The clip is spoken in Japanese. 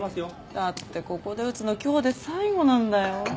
だってここで打つの今日で最後なんだよ？